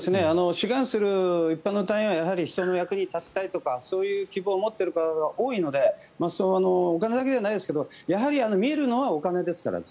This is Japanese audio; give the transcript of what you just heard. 志願する一般の隊員は人の役に立ちたいとかそういう希望を持っている方が多いのでお金だけじゃないですがやはり見えるのはお金ですから。